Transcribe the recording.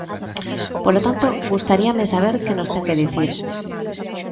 Polo tanto, gustaríame saber que nos ten que dicir.